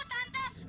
itu rumah aku tante